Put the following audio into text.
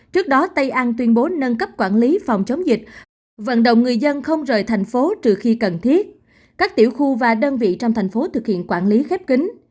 trước đó tây an tuyên bố nâng cấp quản lý phòng chống dịch vận động người dân không rời thành phố trừ khi cần thiết các tiểu khu và đơn vị trong thành phố thực hiện quản lý khép kính